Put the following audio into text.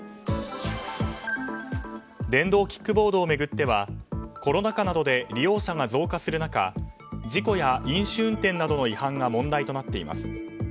電動キックボードを巡ってはコロナ禍などで利用者が増加する中事故や飲酒運転などの違反が問題となっています。